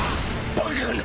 バカな！